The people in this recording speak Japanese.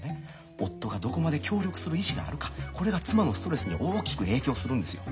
夫がどこまで協力する意志があるかこれが妻のストレスに大きく影響するんですよ。